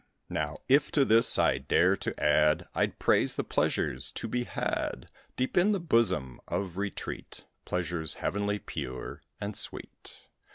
Now, if to this I dare to add, I'd praise the pleasures to be had Deep in the bosom of retreat; Pleasures heavenly, pure, and sweet.